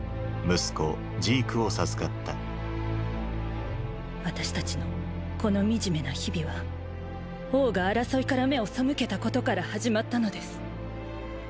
息子ジークを授かった私たちのこの惨めな日々は王が争いから目を背けたことから始まったのです。